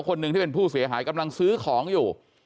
คนหนึ่งที่เป็นผู้เสียหายกำลังซื้อของอยู่